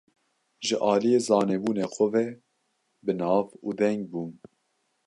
Ji aliyê zanebûna xwe ve bi nav û deng bûn.